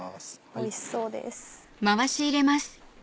おいしそうです。